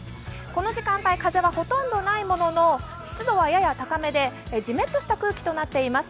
この時間帯、風はほとんどないものの湿度はやや高めでじめっとした空気になっています。